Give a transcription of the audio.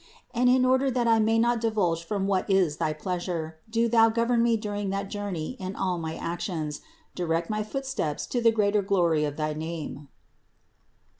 And in order that I may not diverge from what is thy pleasure, do Thou govern me during that journey in all my actions, direct my footsteps to the greater glory of thy name (Ps.